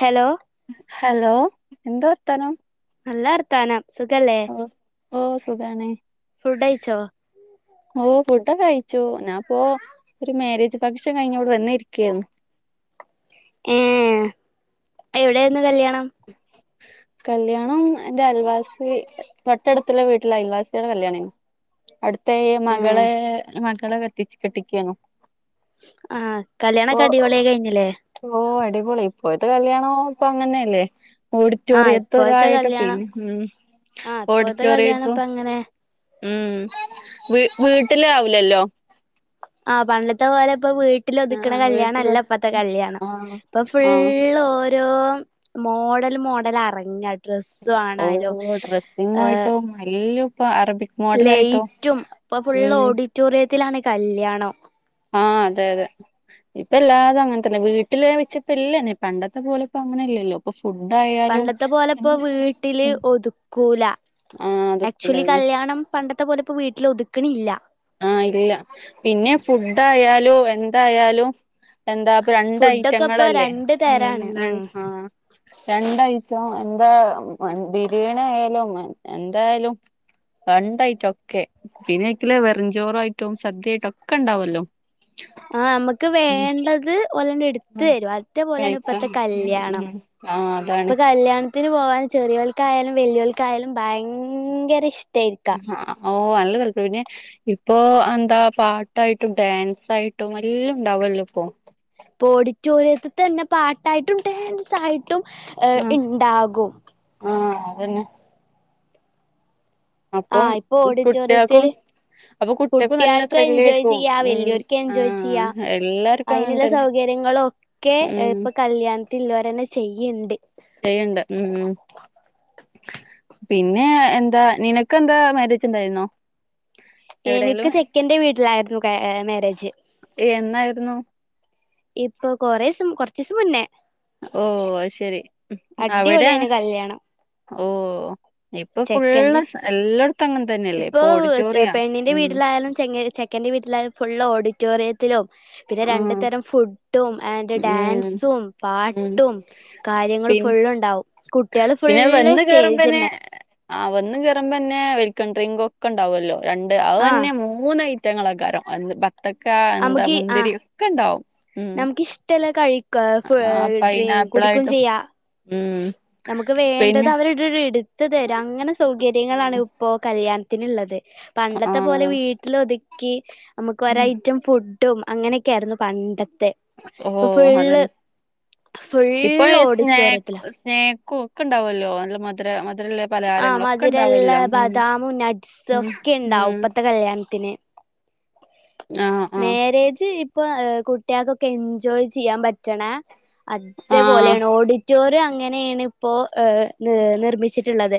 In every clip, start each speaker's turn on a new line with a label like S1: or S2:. S1: Hello
S2: hello എന്താ വർത്താനം
S1: നല്ല വർത്താനം സുഖെല്ലേ
S2: ഓഹ് ഓഹ് സുഖാണ്
S1: ഫുഡ് കഴിച്ചോ
S2: ഓ ഫുഡൊക്കെ കഴിച്ചു. ഞാ ഇപ്പോ ഒരു മാര്യേജ് ഫംഗ്ഷൻ കഴിഞ്ഞ് ഇവിടെ വന്ന് ഇരിക്കേര്ന്നു
S1: ഏഹ് എവിടേയിരുന്നു കല്യാണം
S2: കല്യാണം എന്റെ അയൽവാസി തൊട്ടടുത്ത് ടുത്തുള്ള വീട്ടിലെ അയൽവാസിടെ കല്യാണേന്നു. അടുത്തേ
S1: ഏ
S2: മകളെ മകളെ തിച്ച് കെട്ടിക്കേന്നു.
S1: ആഹ് കല്യാണൊക്കെ അടിപൊളിയായി കഴിഞ്ഞിലേ.
S2: ഓ അടിപൊളി ഇപ്പോഴത്തെ കല്യാണോ ഇപ്പൊ അങ്ങനെല്ലേ
S1: ആ ഇപ്പോഴത്തെ
S2: ഓഡിറ്റോറിയത്തോരായിട്ട്
S1: കല്യാണം
S2: പിന്നെ മഉം
S1: ആ ഇപ്പോഴത്തെ കല്യാണം
S2: ഓഡിറ്റോറിയത്തും.
S1: ഇപ്പ അങ്ങനെ
S2: ഉം ഉം വി വീട്ട്ലാവുല്ലല്ലോ
S1: ആഹ് പണ്ടത്തെ പോലെ ഇപ്പൊ വീട്ട വീട്ടില്
S2: ആ
S1: ഒതുക്ക്ണ കല്യാണം
S2: വീട്ടില്
S1: അല്ല ഇപ്പത്തെ കല്യാണം
S2: ആ
S1: ഇപ്പം
S2: ആ
S1: ഫുള്ള് ഓ രോ മോഡല് മോഡൽ അറങ്ങ ഡ്രസ്സ് ആണ്വാലും ഏഹ്
S2: എല്ലു ഇപ്പം അറബിക് മോഡലായിട്ടും
S1: ലൈറ്റും ഇപ്പൊ ഫുള്ള്
S2: ഉം
S1: ഓഡിറ്റോറിയത്തിലാണ് കല്യാണം
S2: ആഹ് അതെ അതെ ഇപ്പൊ എല്ലാതും അങ്ങൻതന്നെ. വീട്ടില് ന്നാവച്ചിപ്പെ ഇല്ലന്നെ പണ്ടത്തെ പോലെ ഇപ്പോ അങ്ങനെ ഇല്ലല്ലോ ഇപ്പം ഫുഡ് ആയ
S1: പണ്ടത്തെ പോലെ ഇപ്പോ വീട്ടില് ഒതുക്കൂല
S2: ആഹ്
S1: അക്ച്വലി
S2: അതൊക്കെള്ളതന്നെ
S1: കല്യാണം പണ്ടത്തെ പോലെ ഇപ്പോ വീട്ടില് ഒതുക്ക്ണില്ല.
S2: ആഹ് ഇല്ല പിന്നെ ഫുഡയാലും എന്തായാലും എന്താ പ്പ രണ്ട്
S1: ഫുഡൊക്കെ ഇപ്പൊ
S2: ഐറ്റങ്ങളല്ലേ
S1: രണ്ട്
S2: ഉം ഉം
S1: തരാണ്
S2: എന്താണ് ആ ഹ് രണ്ട് ഐറ്റം എന്താ ബിരിയാണി ആയാലും എന്തായാലും രണ്ട് ഐറ്റമൊക്കെ [unintelligible] പഴഞ്ചോറായിട്ടും സദ്യയായിട്ടൊക്കെ ഉണ്ടാവുല്ലോ
S1: ആ നമുക്ക് വേണ്ടത് ഓലണ്ണം എടുത്ത്
S2: ആഹ്
S1: തരും അതേപോലെയാണ് ഇപ്പത്തെ കല്യാണം
S2: ആ അതാണ്
S1: ത്തിന് പോകാൻ ചെറിയോൽക്കായാലും വലിയവൽക്കായാലും ഭയങ്കര ഇഷ്
S2: ഓ നല്ല [unintelligible] പിന്നെ ഇപ്പൊ എന്താ പാട്ടായിട്ടും ഡാൻസായിട്ടും എല്ലാം ഉണ്ടാവല്ലോ ഇപ്പോ
S1: ഇപ്പൊ ഓഡിറ്റോറിയത്തി തന്നെ പാട്ടായിട്ടും ഡാൻസായിട്ടും
S2: ആഹ്
S1: ഇണ്ടാകും
S2: ആഹ് അതന്നെ അപ്പം
S1: ആഹ് ഇപ്പൊ
S2: കുട്ടികൾക്കും
S1: ഓഡിറ്റോറിയത്തില്
S2: അപ്പൊ കുട്ടികൾക്കും നല്ല
S1: കുട്ടികൾക്ക്‌ എൻജോയ്
S2: ത്രില്ലേക്കും
S1: ചെയ്യാ
S2: ഉം
S1: വലിയോർക്ക് എൻജോയ്
S2: ആഹ്
S1: ചെയ്യാ
S2: എല്ലാർക്കും അങ്ങനെ
S1: അയിനുള്ള
S2: തന്നെ
S1: സൗകര്യങ്ങളൊക്കെ
S2: ഉം
S1: ഇപ്പൊ കല്യാണത്തിള്ളവരെന്നെ ചെയ്യണ്ട്
S2: ചെയ്യണ്ട് മം മം പിന്നെ എന്താ നിനക്ക് എന്താ മാര്യേജ് ഉണ്ടായിരുന്നോ എവിടെയെങ്കിലും
S1: എനിക്ക് ചെക്കൻ്റെ വീട്ടിലായിരുന്നു ക മാര്യേജ്
S2: എന്നായിരുന്നു
S1: ഇപ്പൊ കൊറേ ദിവസം കൊറച്ചു ദിവസം മുന്നേ
S2: ഓ അയ്ശെരി അവിടെ
S1: അടിപൊളിയായിനു കല്യാണം
S2: ഓ ഇപ്പം
S1: ചെക്കന്റെ
S2: ഫുള് സ്ഥ എല്ലായിടത്തും അങ്ങനെ തന്നെയല്ലേ ഇപ്പൊ ഓഡിറ്റോറിയാ മം
S1: ചെക്കൻ്റെ വീട്ടിലായാലും ഫുള് ഓഡിറ്റോറിയത്തിലും പിന്നെ രണ്ടു
S2: ഉം
S1: തരം ഫുഡും അയ്ന്റെ
S2: ഉം
S1: ഡാൻസും
S2: ഉം
S1: പാട്ടും കാര്യങ്ങൾ
S2: പിന്നെ
S1: ഫുള് ഉണ്ടാവും കുട്ടികള് ഫുള്ള് സ്റ്റേജമ്മേ
S2: ആഹ് വന്നും കേറ്മ്പ് തന്നെ വൽക്കും ഡ്രിങ്ക് ഒക്കെ ഉണ്ടാവല്ലോ രണ്ട് അത്
S1: ആഹ്
S2: തന്നെ മൂ മൂന്നയിറ്റങ്ങളൊക്കൊരോ ബത്തക്ക എന്താ മുന്തിരി ഒക്കെ ഉണ്ടാവും ഉം
S1: നമുക്ക് ഇഷ്ടമല്ല കഴിക്ക ഫു
S2: ആ
S1: ഡ്രി കുടിക്കയും
S2: പൈനാപ്പിളായിട്ടും
S1: ചെയ്യാ
S2: ഉം
S1: നമുക്ക് വേണ്ടത്
S2: പിന്നെ
S1: അവരുരുടെടുത്ത് തരും അങ്ങനെ സൗകര്യങ്ങളാണ് ഇപ്പോ കല്യാണ ത്തിനുള്ളത്
S2: ആ
S1: പണ്ടത്തെ പോലെ വീട്ടിലൊതുക്കി നമുക്ക്
S2: ഉം.
S1: ഒരയിറ്റം ഫുഡും അങ്ങനെയൊക്കെ ആയിരുന്നു പണ്ടത്തെ
S2: ഓ
S1: ഇപ്പൊ ഫുള്ള്
S2: അതന്നെ ഇപ്പൊ
S1: ഫുള്ള്
S2: ഈ സ്നാ
S1: ഓഡിറ്റോറിയത്തിലാ
S2: സ്നക്കും ഒക്കെ ഉണ്ടാവുമല്ലോ നല്ല മധുര മധുരല്ല
S1: ആ
S2: പലഹാരങ്ങളോക്കെ
S1: മധുരള്ള
S2: ഉണ്ടാവല്ലോ ഉം
S1: ബദാമും നട്ട്സും
S2: ഉം
S1: ഒക്കെ ഉണ്ടാവും
S2: ഉം
S1: ഇപ്പത്തെ കല്യാണത്തിന്
S2: ആഹ്
S1: മാരേജ് ഇപ്പൊ കുട്ടികൾക്കൊക്കെ എൻജോയ് ചെയ്യാൻ പറ്റ റ്റണ
S2: ആഹ്
S1: അതേപോലെയാണ് ഓടി റ്റോറിയം അങ്ങനെയാണ് ഇപ്പോ ഏഹ് നി നിർമ്മിച്ചിട്ടുള്ളത്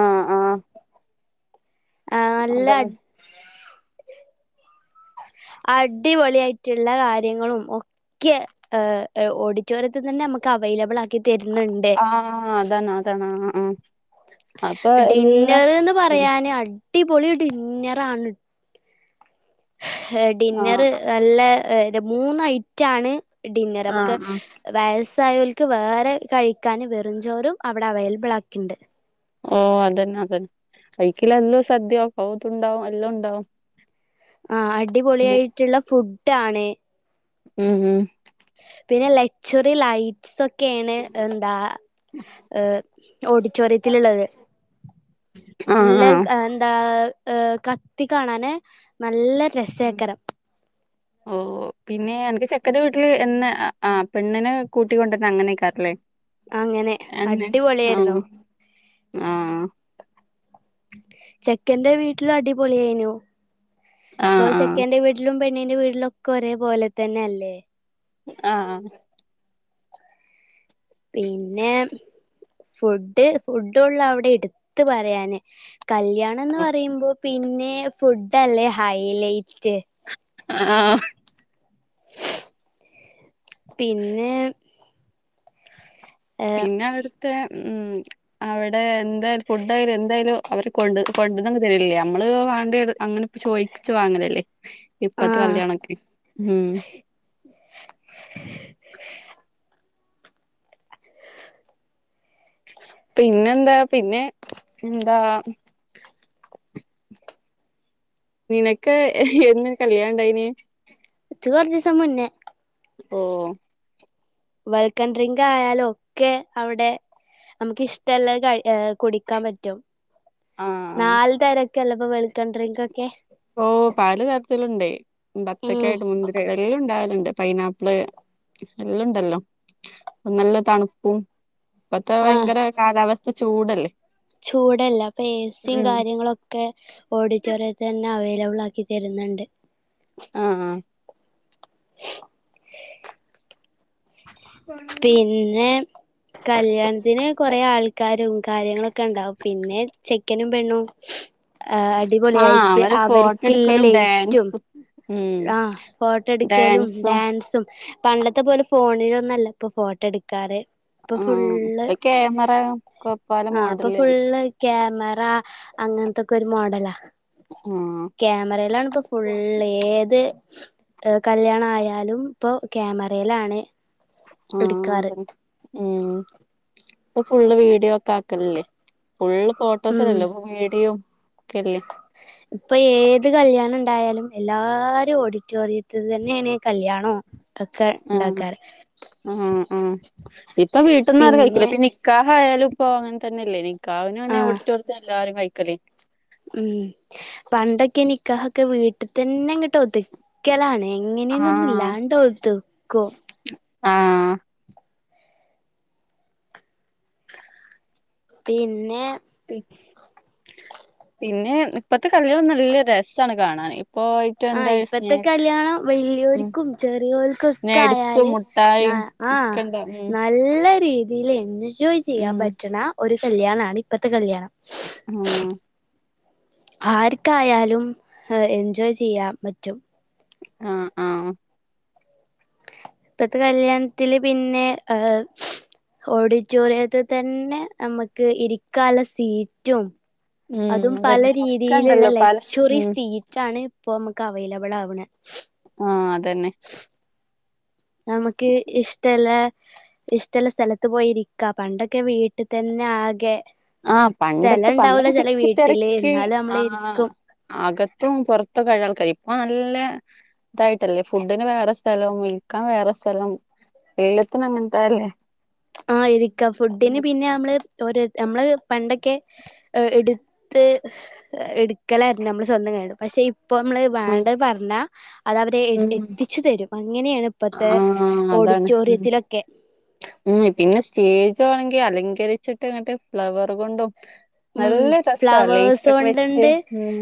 S2: ആഹ് ആഹ്
S1: നല്ല അ
S2: അതാണ്
S1: അടിപൊളിയായിട്ടുള്ള കാര്യങ്ങളും ക്കെ ഓഡിറ്റോറിയത്തിൽ തന്നെ നമുക്ക് അവൈലബിൾ ആക്കി തരുന്നുണ്ട്
S2: ആഹ് അതാണ് അതാണ് ആഹ് ആഹ് അപ്പൊ എല്ലാ
S1: ഡിന്നർ എന്ന്
S2: ഉം
S1: പറയാാന് അടിപൊളി ഡിന്നറാണ് ഏ ഡിന്നർ
S2: ആഹ്
S1: നല്ല മൂന്നൈറ്റ ആണ് ഡിന്നർ നമുക്ക്
S2: ആഹ് ആഹ്
S1: വയസായവൽക്ക് വേറെ കഴിക്കാൻ വെറുംചോറും അവിടെ അവൈലബിൾ ആക്കിണ്ട്
S2: ഓ അതന്നെ അതന്നെ കൈക്കല എല്ലാം സദ്യയാ കൗത ഉണ്ടാവും എല്ലാം ഉണ്ടാവും
S1: ആഹ്
S2: പിന്നെ
S1: അടിപൊളിയായിട്ടുള്ള ഫുഡ് ആണ്
S2: ഉം ഉം
S1: പിന്നെ ലച്വറി ലൈറ്റ്സ് ഒക്കെ ഒക്കെയാണ് എന്താ ഓഡിറ്റോറിയത്തിലുള്ളത്
S2: ആഹ്
S1: നല്ല
S2: ആഹ്
S1: എന്താ ഏഹ് കത്തി കാണാന് നല്ല രസേകരം
S2: ഒ ഒ പിന്നെ അൻക്ക് ചെക്കന്റെ വീട്ടില് എന്നെ ആ പെണ്ണിനെ കൂട്ടിക്കൊണ്ടന്നെ അങ്ങനെൊക്കാറല്ലേ
S1: അങ്ങനെ
S2: എന്നെ ആ
S1: അടിപൊളിയായിരുന്നു
S2: ആ
S1: ചെക്കന്റെ വീട്ടിൽ അടിപൊളിയെനു. ഇപ്പൊ
S2: ആഹ്
S1: ചെക്കന്റെ വീട്ടിലും പെണ്ണിന്റെ വീട്ടിലും ഒക്കെ ഒരേ പോലെ തന്നെ അല്ലേ.
S2: ആഹ്
S1: പിന്നെ ഫുഡ്. ഫുഡള്ളു അവിടെ ഇട്ത്ത് പറയാന്. കല്യാണം എന്ന്
S2: ആഹ്
S1: പറയുമ്പോ പിന്നെ ഫുഡ് അല്ലേ ഹൈലൈറ്റ്.
S2: ആ ആ
S1: പിന്നെ
S2: പിന്നെ അവിടുത്തെ ഉം അവിടെ എന്തായാലും ഫുഡയാലും എന്തായാലും അവരെ കൊണ്ട് കൊണ്ടന്നു തരില്ലിയ നമ്മള് വാണ്ടിത് അങ്ങനെ. ചോയിച്ച് വാങ്ങലല്ലേ
S1: ആ
S2: ഇപ്പത്തെ കല്യാണൊക്കെ മം.
S1: [inaudible]
S2: പിന്നെന്താ പിന്നെ എന്താ നിനക്ക് എന്ന് കല്യാണം ഉണ്ടായിനീ
S1: ഇച്ച് കോർച്ചിസം മുന്നെ.
S2: ഓ
S1: വെൽക്കം ഡ്രിങ്ക് ആയാലും ഒക്കെ അവിടെ നമുക്ക് ഇഷ്ടള്ളെ കയി കുടിക്കാൻ പറ്റും.
S2: ആഹ്
S1: നാല് തരൊക്കെല്ലപ്പോ വെൽക്കൻ ഡ്രിങ്ക് ഒക്കെ.
S2: ഓ പല തരത്തിലുണ്ട് ബത്തക്കെ
S1: ഉം
S2: ആയൊണ്ട് മുന്തി എല്ലാംണ്ടാവലുണ്ട് പൈനാപ്പിള് എല്ല് ഇണ്ടല്ലോ. അനല്ല തണുപ്പും ഇപ്പത്തെ
S1: ആഹ്
S2: ഭയങ്കര കാലാവസ്ഥ ചൂടല്ലേ
S1: ചൂടല്ല ഇപ്പൊ എസിം
S2: ഉം
S1: കാര്യങ്ങളൊക്കെ ഒക്കെ ഓഡിറ്റോറിയത്തിൽ തന്നെ അവൈലബിൾ ആക്കി തരുന്നുണ്ട്.
S2: ആ ആ
S1: [inaudible]
S2: [unintelligible]
S1: പിന്നെ കല്യാണത്തിന് കൊറേ ആൾക്കാരും കാര്യങ്ങളൊക്കെ ഉണ്ടാവും. പിന്നെ ചെക്കനും പെണ്ണും ആ
S2: ആഹ്
S1: അടിപൊളിയായിട്ട്
S2: അവരെ ഫോട്ടോ
S1: അവർക്കുള്ള
S2: എടുക്കലും
S1: ലൈറ്റും.
S2: ഡാൻസും ഉം
S1: ആ ഫോട്ടോ എടുക്കലും
S2: ഡാൻസും
S1: ഡാൻസും പണ്ടത്തെ പോലും ഫോണിലൊന്നുംല്ല ഇപ്പൊ ഫോട്ടോ എടുക്ക [unintelligible] ഇപ്പൊ
S2: ആഹ്
S1: ഫുള്ള്
S2: ഇപ്പൊ ക്യാമറ കൊപ്പാല
S1: ആ ഇപ്പൊ
S2: മോഡലല്ലേ
S1: ഫുള്ള് ക്യാമറ അങ്ങനത്തൊക്കെ ഒരു മോഡലാ.
S2: മം
S1: ക്യാമറെലാണ് ഇപ്പോ ഫുള്ള് ഏത് കല്യാണ ആയാലും ഇപ്പൊ ക്യാമാറെലാണ്.
S2: ആ [unintelligible] എ ഇപ്പൊ ഫുള്ള് വീഡിയോ ഒക്കെ ആക്കൽലില്ലേ ഫുൾ
S1: ഉം
S2: ഫോട്ടോസന്നെല്ലോ ഇപ്പോ വീഡിയോ ഒക്കെല്ലേ.
S1: ഇപ്പൊ ഏത് കല്യാണം ഇണ്ടായാലും എല്ലാരും ഓഡിറ്റോറിയത്തി അത് തന്നെയാണ് കല്ല്യാണോ അ ക്കെ ഉണ്ടാക്കാറ്
S2: മം മം ഇപ്പൊ വീട്ടന്നും ആരും കഴിക്കില്ല.
S1: പിന്നെ
S2: നിക്കാഹായാലും ഇപ്പ അങ്ങനെ തന്നെല്ലേ കാവ്ന് വന്നെ
S1: ആഹ്
S2: ഓഡിറ്റോറിയത്തിന് എല്ലാരും വയ്ക്കലെ
S1: ഉം പണ്ടൊക്കെനിക്കഹോക്കെ വീട്ട് തന്നെങ്ങിട്ടോതു ക്കലാണ് എങ്ങനെയൊന്നുമില്ല
S2: ആഹ്
S1: ഇല്ലാണ്ടോതുക്കും.
S2: ആ [inaudible]
S1: പിന്നെ
S2: പിന്നെ ഇപ്പത്തെ കല്യാണല്ലാം നല്ല രസമാണ് കാണാൻ. ഇപ്പോൾ
S1: ആ ഇപ്പത്തെ കല്യാണം
S2: ഉം
S1: വലിയോർക്കും ചെറിയോൽക്കും ഓക്കെ ആയാല് ന
S2: അയിം
S1: ആഹ്
S2: കണ്ട ഉം
S1: നല്ല രീതിയിൽ എൻജോയ് ചെയ്യാൻ
S2: ഉം
S1: പറ്റണ ഒരു കല്യാണണ് ഇപ്പത്തെ കല്യാണം.
S2: ഉം
S1: ആര്ക്കായാലും എൻജോയ് ചെയ്യാൻ പറ്റും.
S2: ആഹ് ആഹ്
S1: ഇപ്പത്തെ കല്യാണത്തില് പിന്നെ ഏഹ് ഓഡിറ്റോറിയത്തിൽ തന്നെ നമുക്ക് ഇരിക്കാള്ള സീറ്റും
S2: ഉം
S1: അതും പല
S2: അതന്നെ ഒക്കെ
S1: രീതിയിലുള്ള
S2: ഉണ്ടല്ലോ പല
S1: ലക്സ്വറി
S2: ഉം
S1: സീറ്റ് റ്റാണ് ഇപ്പൊ നമ്മക്ക് അവൈലബിളാവുന്നേ
S2: ആഹ് അതന്നെ
S1: നമക്ക് ഇഷ്ടള്ള ഇഷ് ട്ടല്ല സ്ഥലത്ത് പോയി ഇരിക്ക. പണ്ടൊക്കെ വീട്ടിൽ തന്നെ ആകെ
S2: ആഹ്
S1: സ്ഥലം
S2: പണ്ടത്തെ
S1: ഉണ്ടാവൂല
S2: പണ്ടൊക്കെ
S1: ചെല വീട്ടില്
S2: തിക്കിതിരക്കി
S1: എന്നാലും നമ്മള്
S2: ഹ്
S1: ഇരിക്കും
S2: അകത്തും പൊറത്തകഴുകണാൾക്കാര് ഇപ്പോ നല്ലെ തായ് ട്ടല്ലേ ഫുഡിന് വേറെ സ്ഥലം ഇരിക്കാൻ വേറെ സ്ഥലം വെയിലത്ത്‌ നിന്നിട്ടാല്ലേ
S1: ആ ഇരിക്കാം. ഫുഡിന് പിന്നെ നമ്മള് ഓരോ നമ്മള് പണ്ടൊക്കെ എടു ത്ത് എടുക്കലായിരുന്നു. നമ്മള് സ്വന്തം കയിയൊണ്ട്. പക്ഷെ ഇപ്പൊ നമ്മള്
S2: ഉം
S1: വേണ്ടത് പറഞ്ഞാ അത് അവര്
S2: ഉം
S1: എത്തിച്ചു തരും. അങ്ങനെയാണ് ഇപ്പത്തെ
S2: ആഹ് അതാണ് ഉം
S1: ഓഡിറ്റോറിയത്തിലൊക്കെ
S2: ഉം പിന്നെ സ്റ്റേജ ആണെങ്കിൽ അലങ്കരിച്ചിട്ട് ഇങ്ങട്ട് ഫ്ലവർ കൊണ്ടും
S1: ഉം
S2: നല്ല രസ ല്ലേ ലേയ്റ്റക്കെ വെച്ച് ഉം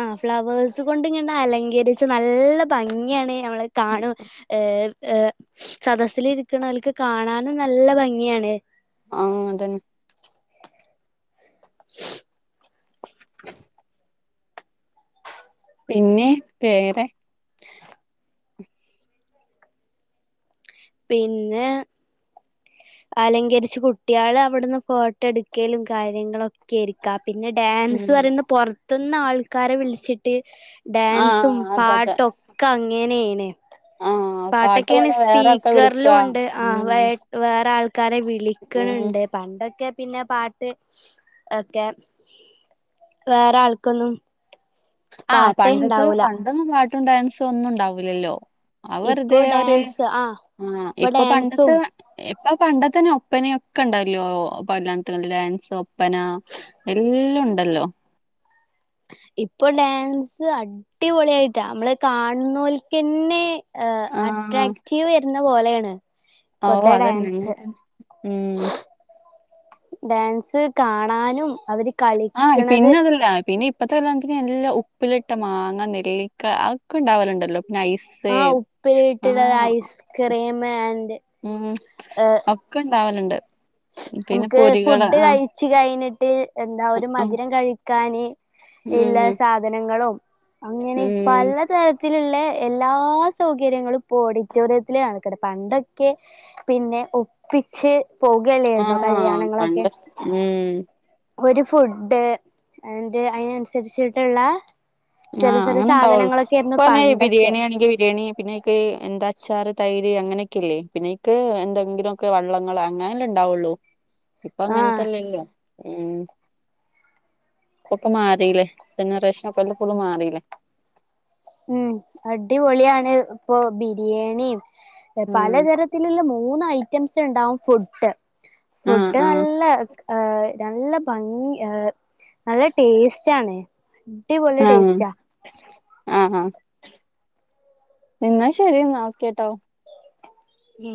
S1: ആഹ് ഫ്ലവേഴ്സ് കൊണ്ട് ഇങ്ങ അലങ്കരിച്ച് നല്ല ഭംഗിയാണ്. നമ്മളെ കാണും ഏഹ് ഏഹ് സദസ്സിലിരിക്കണവക്ക് കാണാനും നല്ല ഭംഗിയാണ്
S2: ആഹ് അതന്നെ പിന്നെ വേറെ
S1: പിന്നെ അലങ്കരിച്ച കുട്യാള് അവിടുന്ന് ഫോട്ടോ എടുക്കലും കാര്യങ്ങളൊക്കെ കേരിക്കാ പിന്നെ ഡാൻസ്
S2: ഉം
S1: പറയുന്ന പൊറത്തന്ന് ആൾക്കാരെ വിളിച്ചിട്ട് ഡാൻസും
S2: ആഹ് അതതെ
S1: പാട്ടൊക്കെ അങ്ങനെയാണ്.
S2: ആഹ് പാട്ട്
S1: പാട്ടൊക്കെയാണ്
S2: പാടാൻ
S1: സ്പീ
S2: വേറെ ആൾക്കാ
S1: ക്കർലും
S2: വിളിക്കാ
S1: ഉണ്ട് ആ വ
S2: ഉം
S1: വേറെ ആൾക്കാരെ
S2: ഉം
S1: വിളിക്കണണ്ട്. പണ്ടൊക്കെ പിന്നെ പ പാട്ട് ഒക്കെ വേറെ ആൾക്കൊന്നും
S2: ആഹ്
S1: പാട്ടേ
S2: പണ്ടത്തെ
S1: ഉണ്ടാവൂല
S2: പണ്ടൊന്നും പാട്ടും ഡാൻസും ഒന്നും ഉണ്ടാവൂല്ലല്ലോ? ആഹ്
S1: ഇപ്പൊ
S2: വെറുതെ ഒരു
S1: ഡാൻസ്
S2: ആ ഇപ്പൊ പണ്ടത്തെ ഇപ്പൊ പണ്ട തന്നെ ഒപ്പനൊക്കെ ഉണ്ടല്ലോ പ ഡാൻസോ ഒപ്പന എല്ലും ണ്ടല്ലോ
S1: ഇപ്പൊ ഡാൻസ് അടിപൊളിയായിട്ടാ നമ്മള് കാണുന്നോൽക്കന്നെ അഹ്
S2: ആഹ്
S1: അട്രാക്റ്റീവ് വരുന്ന പോലെയാണ് ഇ
S2: ഓഹ്
S1: പൊത്തേ
S2: അതന്നെ
S1: ഡാൻസ്
S2: അങ്ങൻതന്നെ ഉം
S1: ഡാൻസ് കാണാനും അവര്
S2: ആഹ്
S1: കളിക്കണത്
S2: പിന്നെ അതല്ല പിന്നെ ഇപ്പത്തെ കല്യാണത്തിന് എല്ലാം ഉപ്പിലിട്ട മാങ്ങ നെല്ലിക്ക അ ഒക്കെ ഉണ്ടാവലുണ്ടല്ലോ പിന്നെ ഐസ്
S1: ആഹ് ഉപ്പില് ട്ടുള്ളത്
S2: ആഹ്
S1: ഐസ്ക്രീം ആൻഡ്
S2: ഉം
S1: ഏ
S2: ഒക്കെ ണ്ടാവലുണ്ട്
S1: നമുക്ക് ഫുഡ് കഴിച്ചു കഴിഞ്ഞിട്ട് എന്താ ഒരു
S2: ഉം
S1: മധുരം കഴിക്കാന് എല്ലാ
S2: ഉം
S1: സാധനങ്ങളും അങ്ങനെ
S2: ഉം
S1: പലത രത്തിലുള്ള എല്ലാ സൗകര്യങ്ങളും ഇപ്പോ ഓഡിറ്റോറിയത്തില കണക്കുന്നത് പണ്ടൊക്കെ പിന്നെ ഒപ്പിച്ച് പോകുകയല്ലോയിരുന്നോ
S2: ആഹ്
S1: കല്യാണങ്ങളൊക്കെ
S2: പണ്ട് ഉം
S1: ഒരു ഫുഡ് അന്റെ അതിനനുസരിച്ചിട്ടുള്ള
S2: ആഹ് അങ്ങനെ ഉണ്ടാവുള്ളൂ. പ്പൊ ന്നെ
S1: പണ്ടൊക്കെ
S2: ബിരിയാണി ആണെങ്കിൽ ബിരിയാണി പിന്നയ്ക്ക് എന്താ അച്ചാർ തൈര് അങ്ങനെയൊക്കെല്ലേ പിന്നയ്ക്ക് എന്തെങ്കിലുമൊക്കെ വള്ളങ്ങൾ അങ്ങനെല്ലേ ഉണ്ടാവുള്ളൂ ഇപ്പ
S1: ആഹ്
S2: അങ്ങൻത്തെല്ലല്ലോ ഉം ഇപ്പൊക്കെ മാറില്ലേ ജനറേഷനൊക്കെ ഫുള്ള് മാറില്ലേ
S1: ഉം അടിപൊളിയാണ് ഇപ്പൊ ബിരിയാണിം
S2: ഉം
S1: പലതരത്തിലുള്ള മൂന്ന് ഐറ്റംസ് ണ്ടാവും ഫുഡ്
S2: ആഹ്
S1: ഫുഡ്
S2: ആഹ്
S1: നല്ല ഏഹ് നല്ല ഭംഗി ഏഹ് നല്ല ടേസ്റ്റ് ആണ്. അടിപൊളി
S2: ആഹ്
S1: ടേസ്റ്റാ
S2: ആഹ് എന്നാ ശരി ന്നാ ഓക്കെ ട്ടോ
S1: ഉം